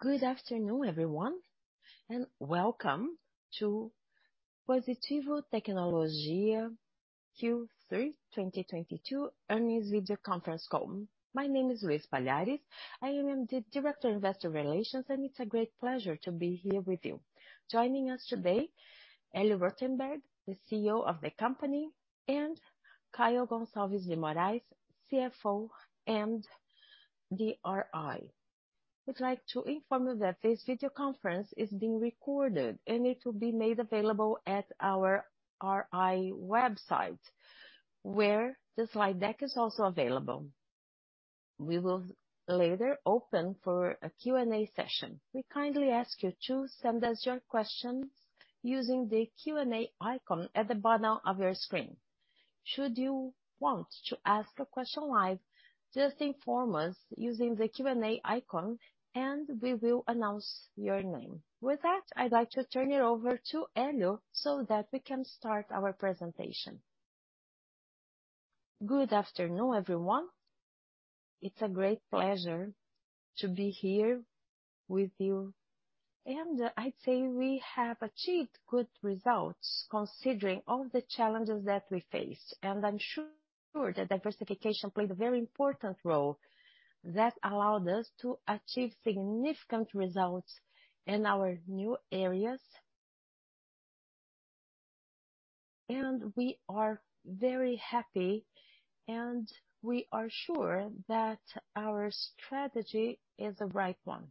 Good afternoon everyone, and welcome to Positivo Tecnologia Q3 2022 Earnings Video Conference Call. My name is Luiz Palhares. I am the Director, Investor Relations, and it's a great pleasure to be here with you. Joining us today, Hélio Rotenberg, the CEO of the company, and Caio Gonçalves de Moraes, CFO and the RI. We'd like to inform you that this video conference is being recorded and it will be made available at our RI website, where the slide deck is also available. We will later open for a Q&A session. We kindly ask you to send us your questions using the Q&A icon at the bottom of your screen. Should you want to ask a question live, just inform us using the Q&A icon and we will announce your name. With that, I'd like to turn it over to Hélio so that we can start our presentation. Good afternoon, everyone. It's a great pleasure to be here with you, and I'd say we have achieved good results considering all the challenges that we faced. I'm sure the diversification played a very important role that allowed us to achieve significant results in our new areas. We are very happy and we are sure that our strategy is the right one.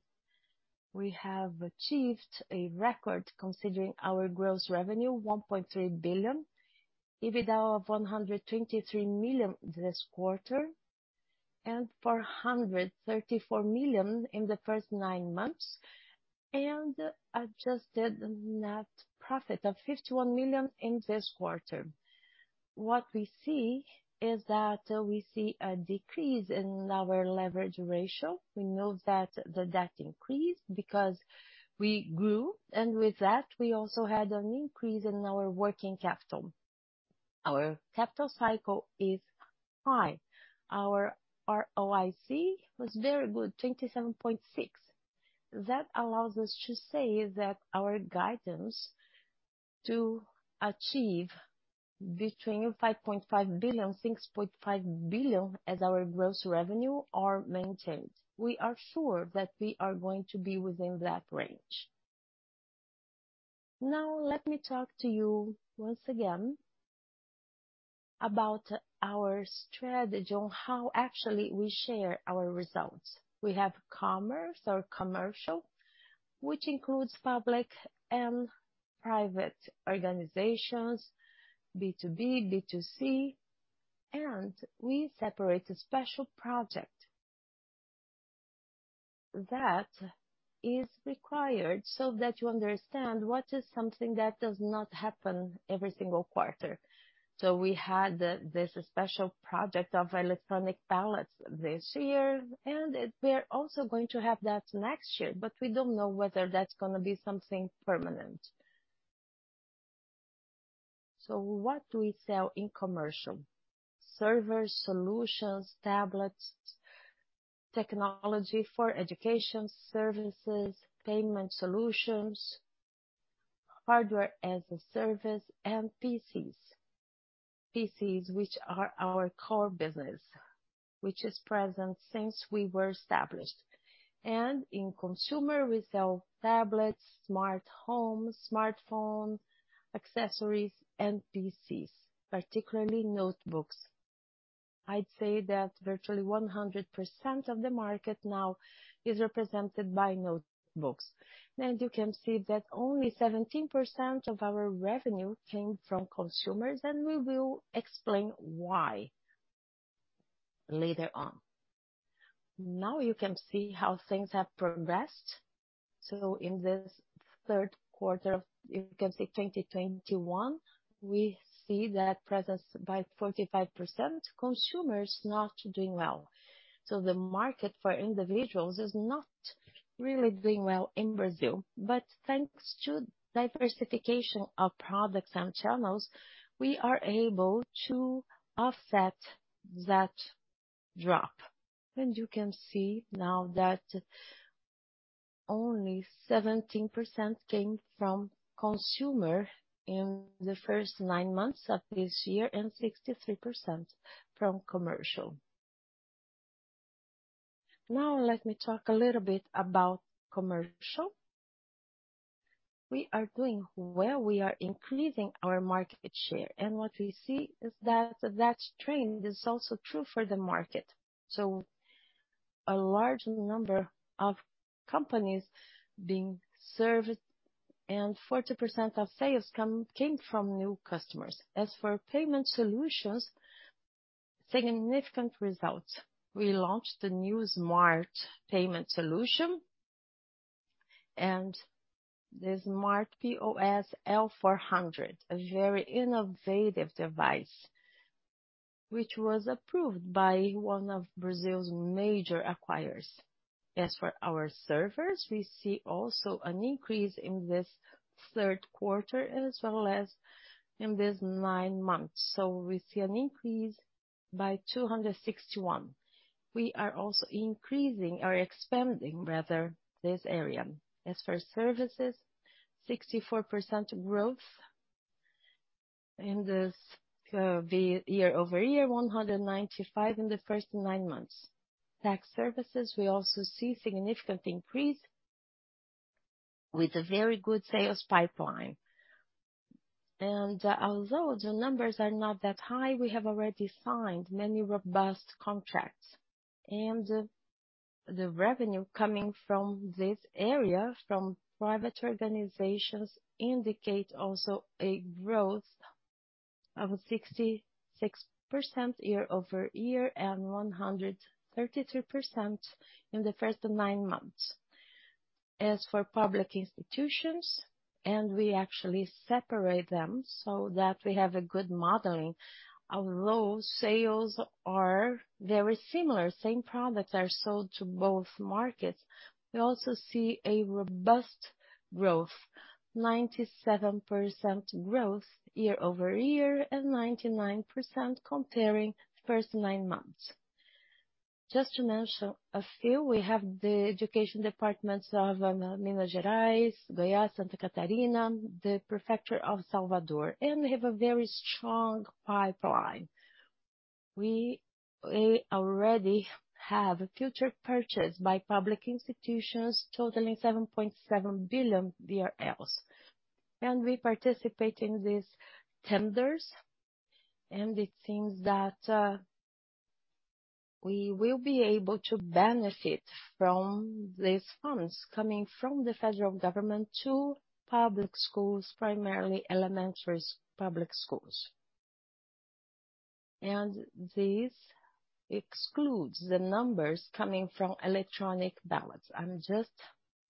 We have achieved a record considering our gross revenue, 1.3 billion, EBITDA of 123 million this quarter, and 434 million in the first nine months, and adjusted net profit of 51 million in this quarter. What we see is that we see a decrease in our leverage ratio. We know that the debt increased because we grew, and with that, we also had an increase in our working capital. Our capital cycle is high. Our ROIC was very good, 27.6%. That allows us to say that our guidance to achieve between 5.5 billion-6.5 billion as our gross revenue are maintained. We are sure that we are going to be within that range. Now let me talk to you once again about our strategy on how actually we share our results. We have commerce or commercial, which includes public and private organizations, B2B, B2C, and we separate a special project that is required so that you understand what is something that does not happen every single quarter. We had this special project of electronic ballots this year, and we are also going to have that next year, but we don't know whether that's gonna be something permanent. What do we sell in commercial? Servers & solutions, tablets, technology for education services, payment solutions, hardware as a service and PCs. PCs which are our core business, which is present since we were established. In consumer we sell tablets, smart home, smartphone, accessories and PCs, particularly notebooks. I'd say that virtually 100% of the market now is represented by notebooks. You can see that only 17% of our revenue came from consumers, and we will explain why later on. Now you can see how things have progressed. In this third quarter of 2021, we see that revenues by 45%, consumers not doing well. The market for individuals is not really doing well in Brazil. Thanks to diversification of products and channels, we are able to offset that drop. You can see now that only 17% came from consumer in the first nine months of this year and 63% from commercial. Now let me talk a little bit about commercial. We are doing well. We are increasing our market share. What we see is that that trend is also true for the market. A large number of companies being served and 40% of sales came from new customers. As for payment solutions, significant results. We launched the new smart payment solution and the Smart POS L400, a very innovative device which was approved by one of Brazil's major acquirers. As for our servers, we see also an increase in this third quarter as well as in this nine months. We see an increase by 261%. We are also increasing or expanding rather this area. As for services, 64% growth in the year-over-year, 195% in the first nine months. Tax services, we also see significant increase with a very good sales pipeline. Although the numbers are not that high, we have already signed many robust contracts. The revenue coming from this area, from private organizations indicate also a growth of 66% year-over-year and 132% in the first nine months. As for public institutions, we actually separate them so that we have a good modeling. Although sales are very similar, same products are sold to both markets. We also see a robust growth, 97% growth year-over-year and 99% comparing first nine months. Just to mention a few, we have the education departments of Minas Gerais, Goiás, Santa Catarina, the prefecture of Salvador, and we have a very strong pipeline. We already have a future purchase by public institutions totaling 7.7 billion. We participate in these tenders, and it seems that we will be able to benefit from these funds coming from the federal government to public schools, primarily elementary public schools. This excludes the numbers coming from electronic ballots. I'm just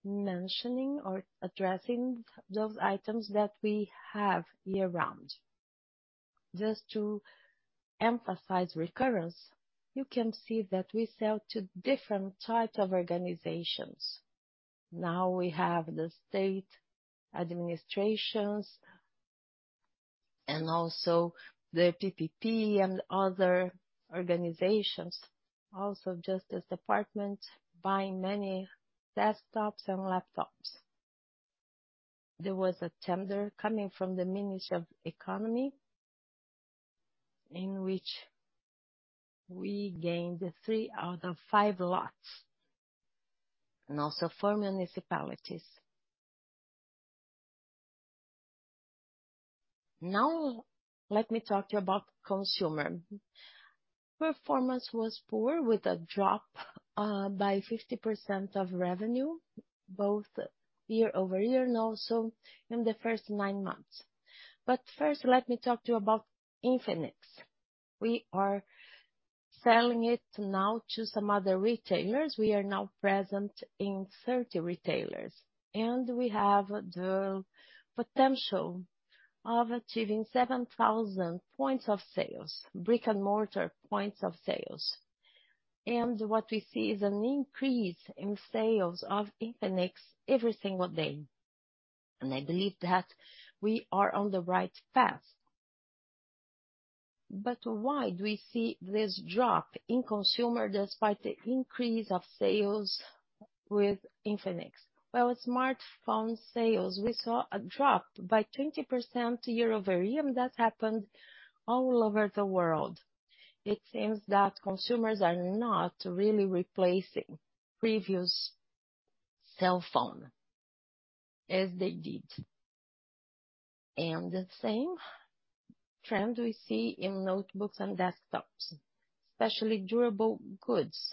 mentioning or addressing those items that we have year-round. Just to emphasize recurrence, you can see that we sell to different types of organizations. Now we have the state administrations and also the PPP and other organizations, also Justice Department buying many desktops and laptops. There was a tender coming from the Ministry of Economy, in which we gained three out of five lots, and also four municipalities. Now let me talk to you about consumer. Performance was poor with a drop by 50% of revenue, both year-over-year and also in the first nine months. First let me talk to you about Infinix. We are selling it now to some other retailers. We are now present in 30 retailers, and we have the potential of achieving 7,000 points of sales, brick-and-mortar points of sales. What we see is an increase in sales of Infinix every single day. I believe that we are on the right path. Why do we see this drop in consumer despite the increase of sales with Infinix? Well, smartphone sales, we saw a drop by 20% year-over-year, and that happened all over the world. It seems that consumers are not really replacing previous cell phone as they did. The same trend we see in notebooks and desktops, especially durable goods.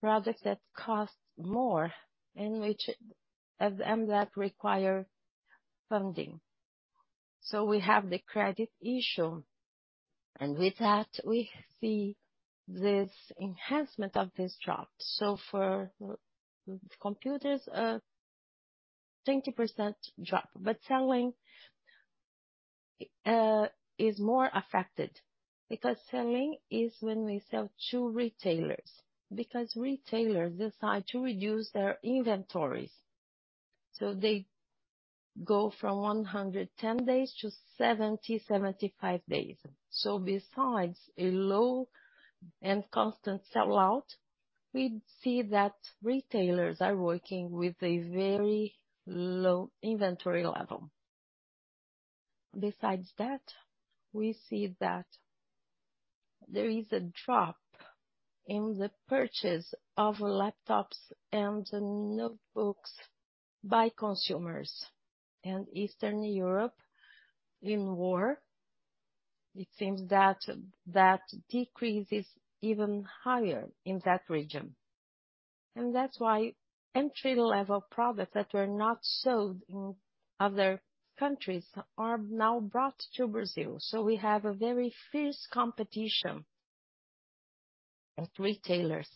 Products that cost more and that require funding. We have the credit issue, and with that, we see this enhancement of this drop. For computers, a 20% drop. Selling is more affected because selling is when we sell to retailers, because retailers decide to reduce their inventories. They go from 110 days to 70-75 days. Besides a low and constant sell-out, we see that retailers are working with a very low inventory level. Besides that, we see that there is a drop in the purchase of laptops and notebooks by consumers. Eastern Europe in war, it seems that decrease is even higher in that region. That's why entry-level products that were not sold in other countries are now brought to Brazil. We have a very fierce competition of retailers.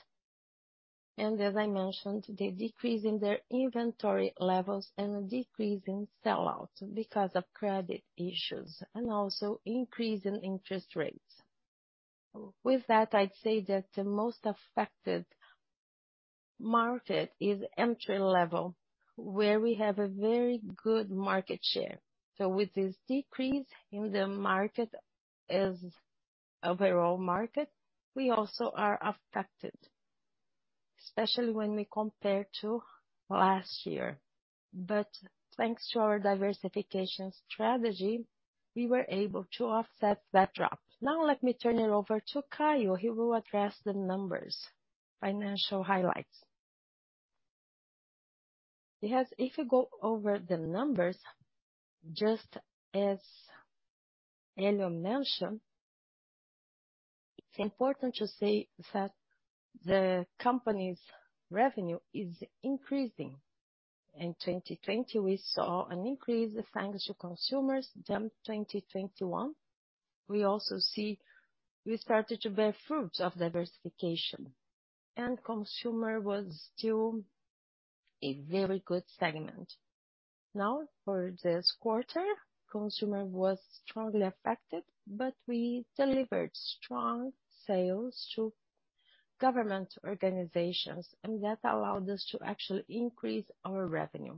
As I mentioned, the decrease in their inventory levels and a decrease in sell-out because of credit issues and also an increase in interest rates. With that, I'd say that the most affected market is entry-level, where we have a very good market share. With this decrease in the market as overall market, we also are affected, especially when we compare to last year. Thanks to our diversification strategy, we were able to offset that drop. Now let me turn it over to Caio who will address the numbers, financial highlights. If you go over the numbers, just as Hélio mentioned, it's important to say that the company's revenue is increasing. In 2020 we saw an increase thanks to consumers. In 2021, we also see we started to bear fruits of diversification, and consumer was still a very good segment. Now for this quarter, consumer was strongly affected, but we delivered strong sales to government organizations, and that allowed us to actually increase our revenue.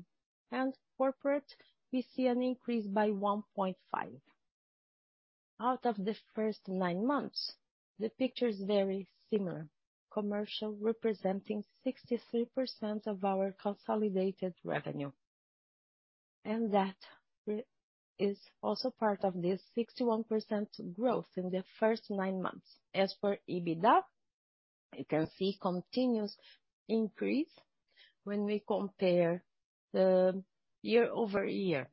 Corporate, we see an increase by 1.5. Out of the first nine months, the picture is very similar. Commercial representing 63% of our consolidated revenue, and that is also part of this 61% growth in the first nine months. As for EBITDA, you can see continuous increase when we compare the year-over-year.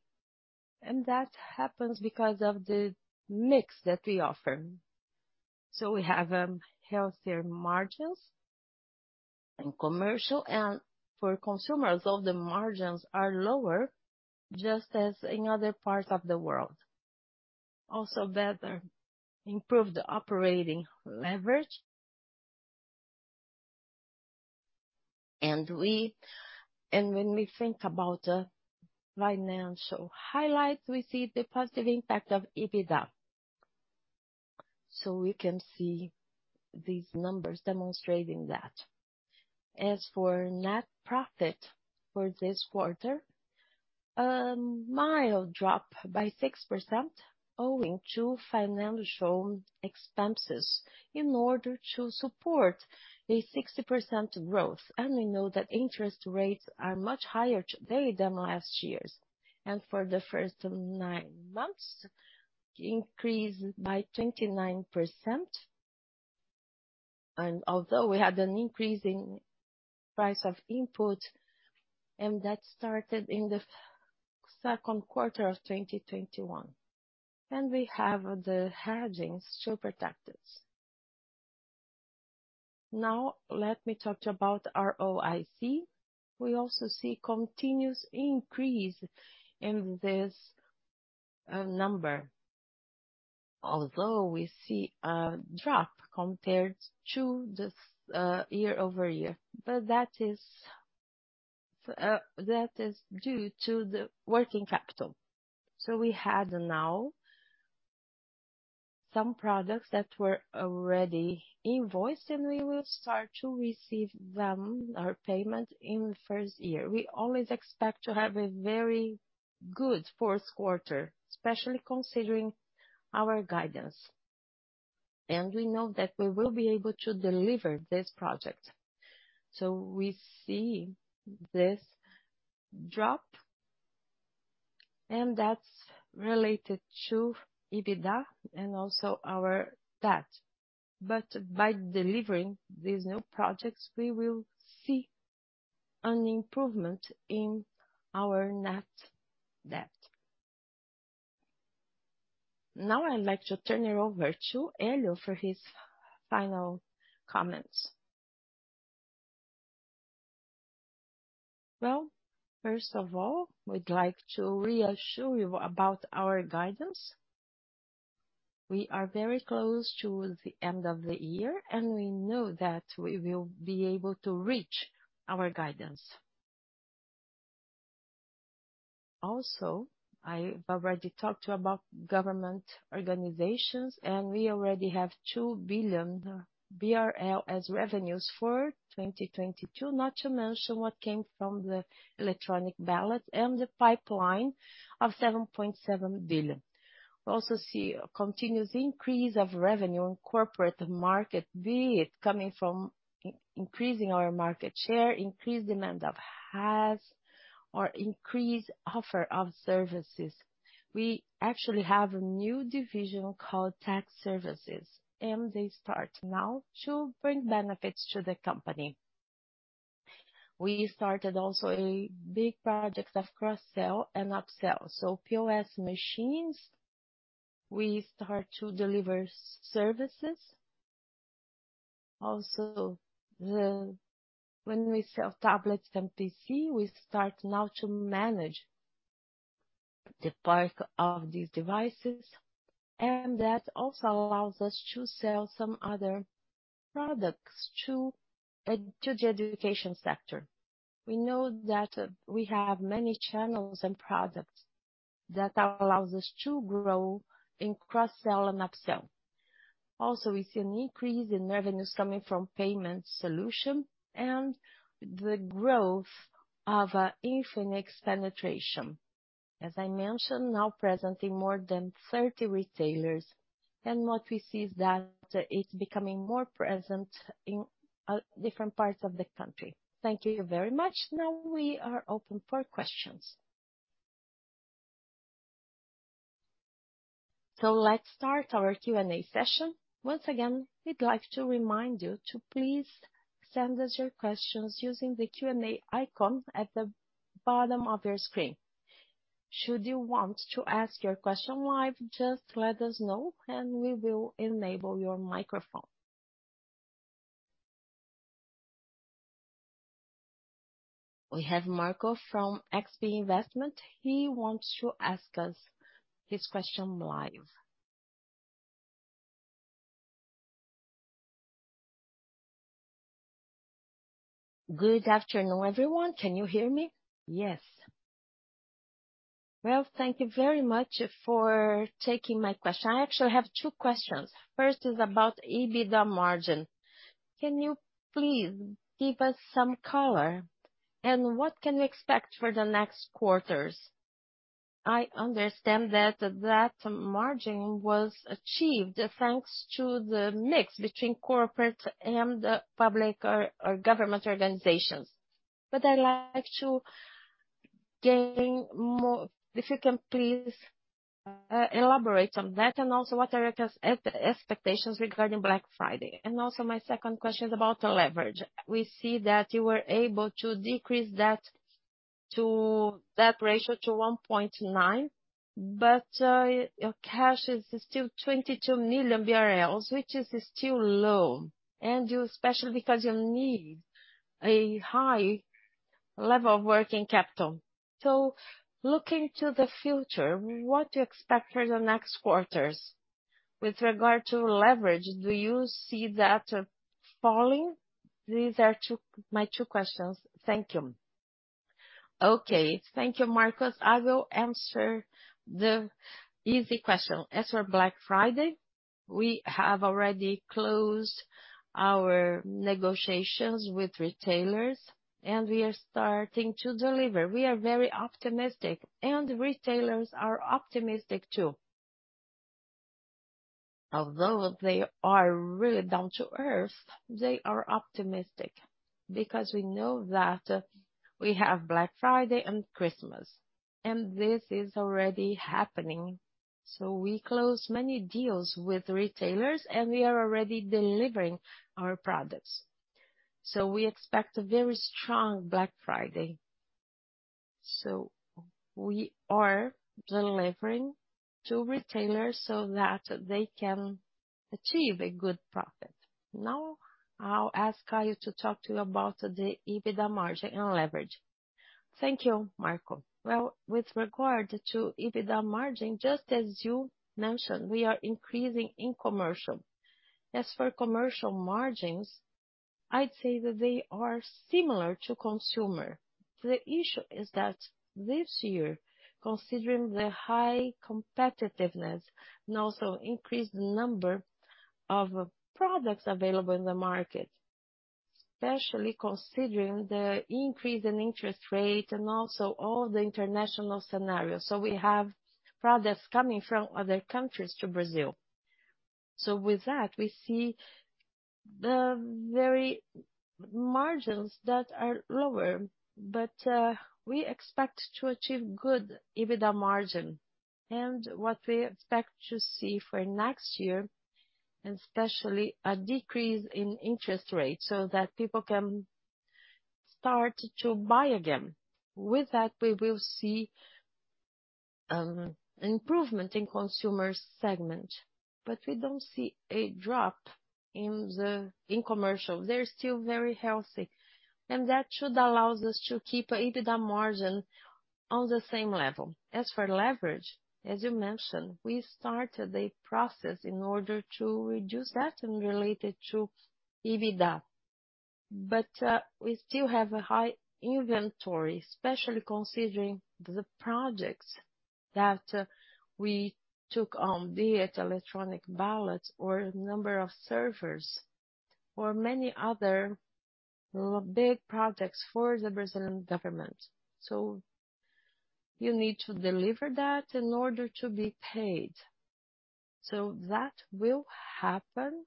That happens because of the mix that we offer. We have healthier margins in commercial and for consumers. All the margins are lower, just as in other parts of the world. That also better improves the operating leverage. When we think about the financial highlights, we see the positive impact of EBITDA. We can see these numbers demonstrating that. As for net profit for this quarter, mild drop by 6% owing to financial expenses in order to support a 60% growth. We know that interest rates are much higher today than last year's. For the first nine months, increase by 29%. Although we had an increase in price of input, and that started in the second quarter of 2021. We have the hedgings to protect us. Now let me talk to you about ROIC. We also see continuous increase in this number. Although we see a drop compared to this year-over-year. That is due to the working capital. We had now some products that were already invoiced, and we will start to receive them or payment in the first year. We always expect to have a very good fourth quarter, especially considering our guidance. We know that we will be able to deliver this project. We see this drop, and that's related to EBITDA and also our debt. By delivering these new projects, we will see an improvement in our net debt. Now I'd like to turn it over to Hélio for his final comments. Well, first of all, we'd like to reassure you about our guidance. We are very close to the end of the year, and we know that we will be able to reach our guidance. I've already talked about government organizations, and we already have 2 billion BRL as revenues for 2022, not to mention what came from the electronic ballot and the pipeline of 7.7 billion. We also see a continuous increase of revenue in corporate market, be it coming from increasing our market share, increased demand of HaaS, or increased offer of services. We actually have a new division called Tech Services, and they start now to bring benefits to the company. We started also a big project of cross-sell and up-sell. POS machines, we start to deliver services. When we sell tablets and PC, we start now to manage the park of these devices, and that also allows us to sell some other products to the education sector. We know that we have many channels and products. That allows us to grow in cross-sell and upsell. Also, we see an increase in revenues coming from payment solution and the growth of Infinix penetration. As I mentioned, now present in more than 30 retailers. What we see is that it's becoming more present in different parts of the country. Thank you very much. Now we are open for questions. Let's start our Q&A session. Once again, we'd like to remind you to please send us your questions using the Q&A icon at the bottom of your screen. Should you want to ask your question live, just let us know and we will enable your microphone. We have Marco from XP Investimentos. He wants to ask us his question live. Good afternoon, everyone. Can you hear me? Yes. Well, thank you very much for taking my question. I actually have two questions. First is about EBITDA margin. Can you please give us some color and what can we expect for the next quarters? I understand that that margin was achieved thanks to the mix between corporate and public or government organizations. I'd like to gain more. If you can please elaborate on that and also what are your expectations regarding Black Friday. Also my second question is about the leverage. We see that you were able to decrease that ratio to 1.9, but your cash is still 22 million BRL, which is still low, and especially because you need a high level of working capital. Looking to the future, what do you expect for the next quarters? With regard to leverage, do you see that falling? These are my two questions. Thank you. Okay. Thank you, Marco. I will answer the easy question. As for Black Friday, we have already closed our negotiations with retailers, and we are starting to deliver. We are very optimistic, and retailers are optimistic too. Although they are really down to earth, they are optimistic because we know that we have Black Friday and Christmas, and this is already happening. We closed many deals with retailers, and we are already delivering our products. We expect a very strong Black Friday. We are delivering to retailers so that they can achieve a good profit. Now, I'll ask Caio to talk to you about the EBITDA margin and leverage. Thank you, Marco. Well, with regard to EBITDA margin, just as you mentioned, we are increasing in commercial. As for commercial margins, I'd say that they are similar to consumer. The issue is that this year, considering the high competitiveness and also increased number of products available in the market, especially considering the increase in interest rate and also all the international scenarios. We have products coming from other countries to Brazil. With that, we see the very margins that are lower, but we expect to achieve good EBITDA margin. What we expect to see for next year, especially a decrease in interest rates so that people can start to buy again. With that, we will see improvement in consumer segment, but we don't see a drop in commercial. They're still very healthy, and that should allows us to keep EBITDA margin on the same level. As for leverage, as you mentioned, we started a process in order to reduce that in relation to EBITDA. We still have a high inventory, especially considering the projects that we took on, be it electronic ballots or number of servers or many other big projects for the Brazilian government. You need to deliver that in order to be paid. That will happen,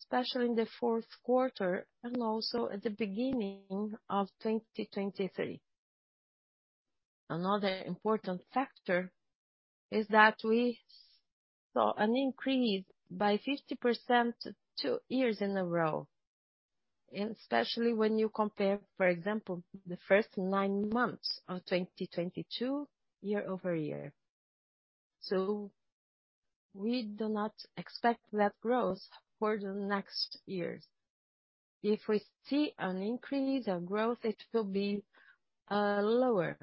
especially in the fourth quarter and also at the beginning of 2023. Another important factor is that we saw an increase by 50% two years in a row, especially when you compare, for example, the first nine months of 2022 year-over-year. We do not expect that growth for the next years. If we see an increase or growth, it will be lower.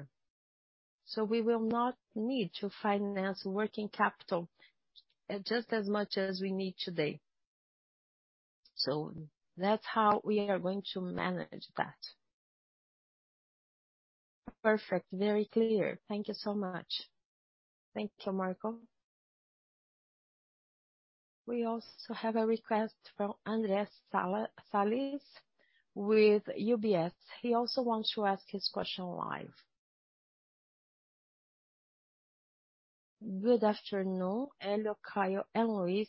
We will not need to finance working capital just as much as we need today. That's how we are going to manage that. Perfect. Very clear. Thank you so much. Thank you, Marco. We also have a request from André Salles with UBS. He also wants to ask his question live. Good afternoon, Hélio Rotenberg, Caio Gonçalves de Moraes and Luiz Palhares.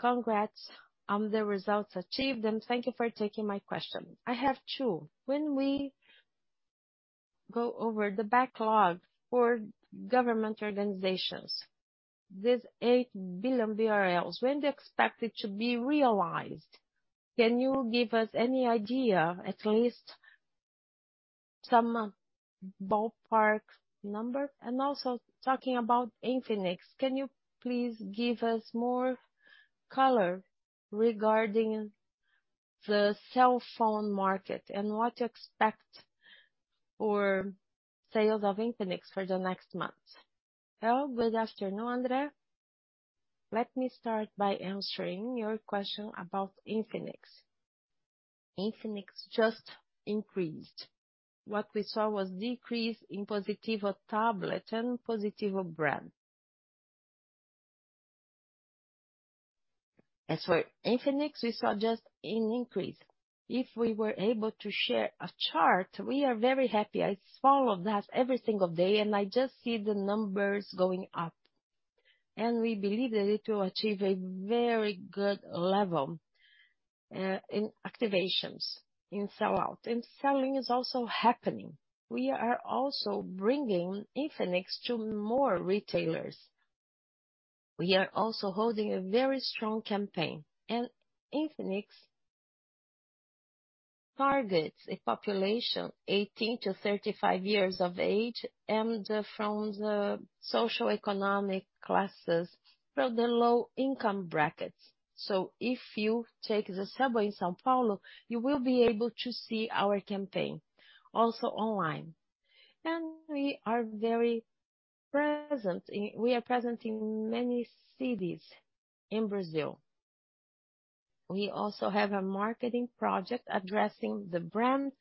Congrats on the results achieved, and thank you for taking my question. I have two. When we go over the backlog for government organizations, this 8 billion BRL, when do you expect it to be realized? Can you give us any idea, at least some ballpark number? Also talking about Infinix, can you please give us more color regarding the cell phone market and what to expect for sales of Infinix for the next months? Well, good afternoon, André. Let me start by answering your question about Infinix. Infinix just increased. What we saw was decrease in Positivo tablet and Positivo brand. As for Infinix, we saw just an increase. If we were able to share a chart, we are very happy. I follow that every single day and I just see the numbers going up. We believe that it will achieve a very good level, in activations, in sell-out. Selling is also happening. We are also bringing Infinix to more retailers. We are also holding a very strong campaign. Infinix targets a population 18-35 years of age and from the socioeconomic classes from the low income brackets. If you take the subway in São Paulo, you will be able to see our campaign also online. We are present in many cities in Brazil. We also have a marketing project addressing the brand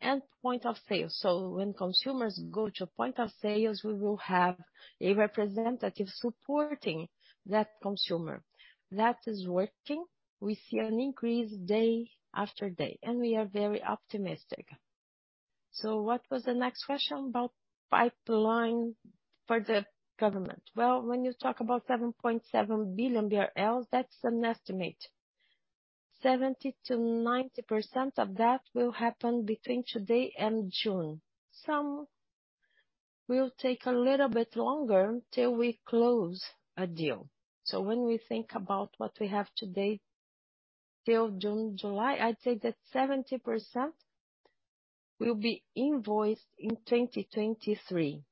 and point of sale. When consumers go to a point of sale, we will have a representative supporting that consumer. That is working. We see an increase day-after-day, and we are very optimistic. What was the next question about pipeline for the government? Well, when you talk about 7.7 billion BRL, that's an estimate. 70%-90% of that will happen between today and June. Some will take a little bit longer till we close a deal. When we think about what we have today till June, July, I'd say that 70% will be invoiced in 2023,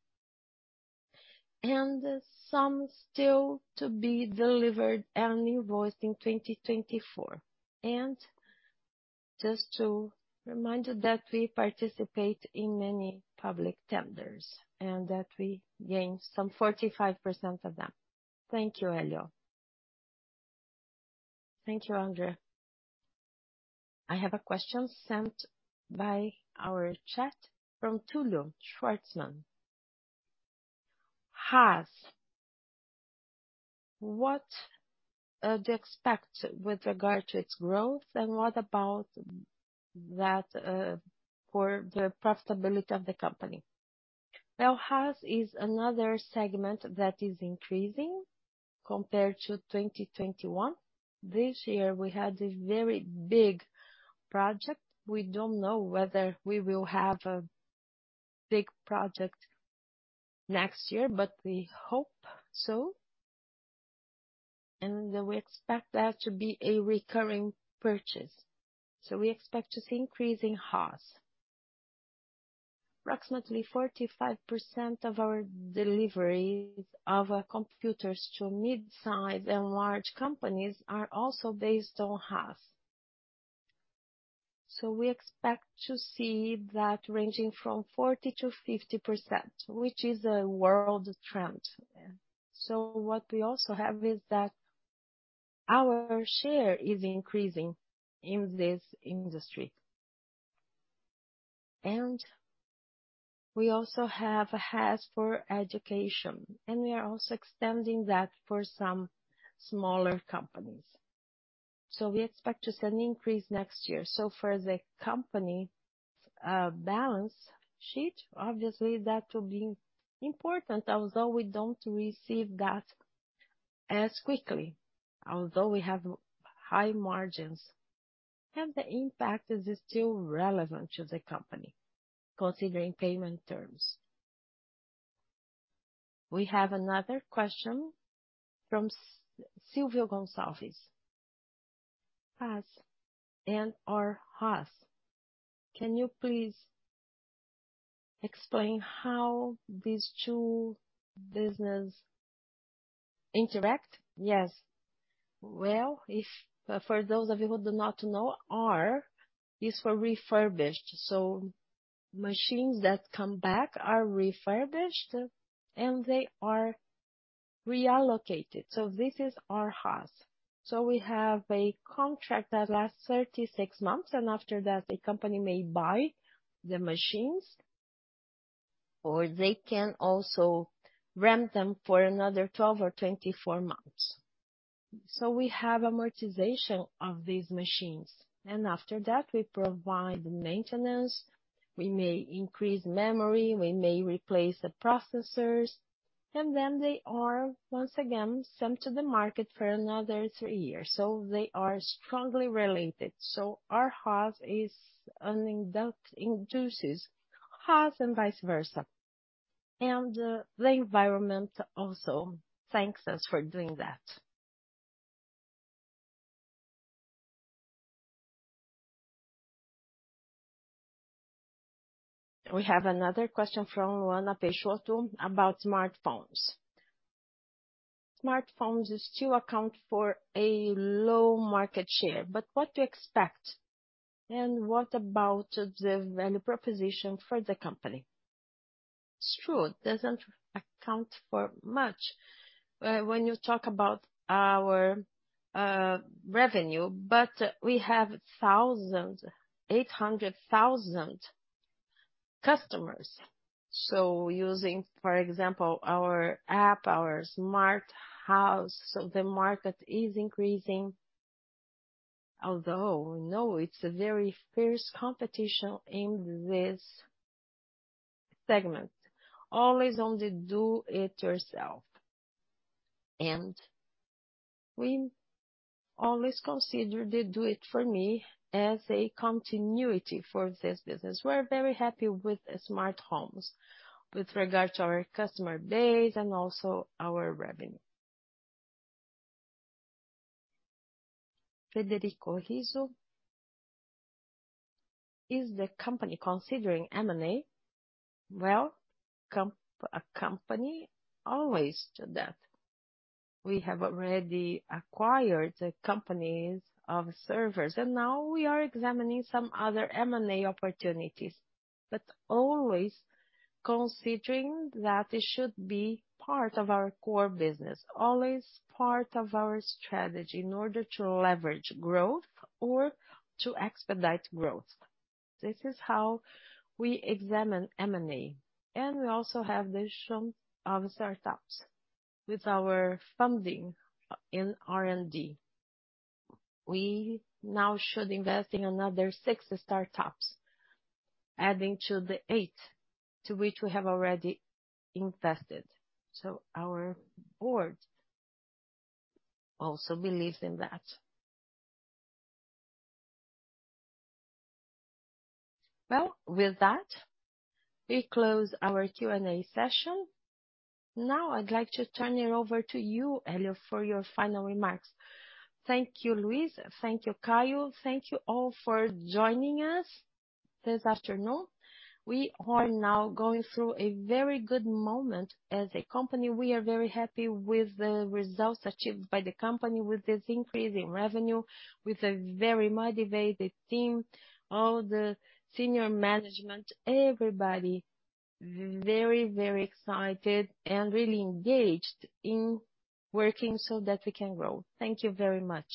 and some still to be delivered and invoiced in 2024. Just to remind you that we participate in many public tenders and that we gain some 45% of them. Thank you, Hélio. Thank you, André. I have a question sent by our chat from Tulio Chwartzmann. HaaS, what do you expect with regard to its growth, and what about that for the profitability of the company? Well, HaaS is another segment that is increasing compared to 2021. This year we had a very big project. We don't know whether we will have a big project next year, but we hope so. We expect that to be a recurring purchase. We expect to see increase in HaaS. Approximately 45% of our deliveries of computers to mid-size and large companies are also based on HaaS. We expect to see that ranging from 40%-50%, which is a world trend. What we also have is that our share is increasing in this industry. We also have HaaS for education, and we are also extending that for some smaller companies. We expect to see an increase next year. For the company balance sheet, obviously that will be important. Although we don't receive that as quickly, although we have high margins, and the impact is still relevant to the company considering payment terms. We have another question from Sílvio Gonçalves. RHaaS and/or HaaS, can you please explain how these two businesses interact? Yes. Well, for those of you who do not know, R is for refurbished. Machines that come back are refurbished and they are reallocated. This is RHaaS. We have a contract that lasts 36 months, and after that the company may buy the machines, or they can also rent them for another 12 or 24 months. We have amortization of these machines, and after that we provide maintenance. We may increase memory, we may replace the processors, and then they are once again sent to the market for another three years. They are strongly related. Our HaaS induces RHaaS and vice versa. The environment also thanks us for doing that. We have another question from Luana Peixoto about smartphones. Smartphones still account for a low market share, but what to expect and what about the value proposition for the company? It's true, it doesn't account for much, when you talk about our revenue, but we have 800,000 customers. So using for example our app, our smart house. So the market is increasing. Although we know it's a very fierce competition in this segment. Always on the do it yourself. We always consider the do it for me as a continuity for this business. We're very happy with the smart homes with regard to our customer base and also our revenue. Federico de Stefani. Is the company considering M&A? Well, a company always do that. We have already acquired the companies of servers, and now we are examining some other M&A opportunities. Always considering that it should be part of our core business, always part of our strategy in order to leverage growth or to expedite growth. This is how we examine M&A. We also have the ecosystem of startups with our funding in R&D. We now should invest in another six startups, adding to the eight to which we have already invested. Our board also believes in that. Well, with that, we close our Q&A session. Now I'd like to turn it over to you, Hélio, for your final remarks. Thank you, Luiz. Thank you, Caio. Thank you all for joining us this afternoon. We are now going through a very good moment as a company. We are very happy with the results achieved by the company with this increase in revenue, with a very motivated team, all the senior management, everybody very, very excited and really engaged in working so that we can grow. Thank you very much.